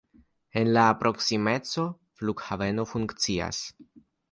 En la proksimeco flughaveno funkcias.